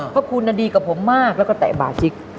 เพราะคุณดีกับผมมากแล้วก็แตะบาชิก